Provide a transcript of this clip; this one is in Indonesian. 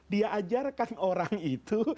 dia ajarkan orang itu